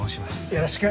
よろしく。